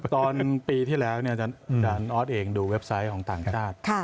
ตอนปีที่แล้วอาจารย์ออสเองดูเว็บไซต์ของต่างชาติ